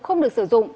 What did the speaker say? không được sử dụng